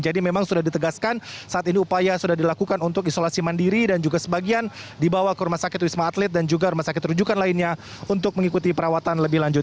jadi memang sudah ditegaskan saat ini upaya sudah dilakukan untuk isolasi mandiri dan juga sebagian dibawa ke rumah sakit wisma atlet dan juga rumah sakit terujukan lainnya untuk mengikuti perawatan lebih lanjut